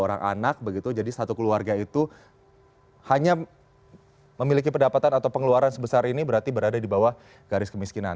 dua orang anak begitu jadi satu keluarga itu hanya memiliki pendapatan atau pengeluaran sebesar ini berarti berada di bawah garis kemiskinan